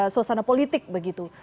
sosana politik begitu